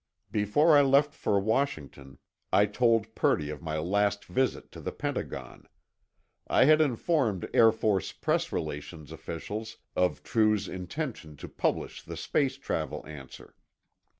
Before I left for Washington, I told Purdy of my last visit to the Pentagon. I had informed Air Force press relations officials of True's intention to publish the space travel answer.